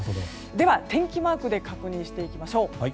では天気マークで確認していきましょう。